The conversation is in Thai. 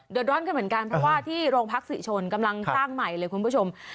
ร้อนกันเหมือนกันเพราะว่าที่โรงพักศรีชนกำลังสร้างใหม่เลยคุณผู้ชม